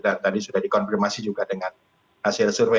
dan tadi sudah dikonfirmasi juga dengan hasil survei